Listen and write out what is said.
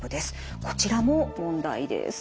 こちらも問題です。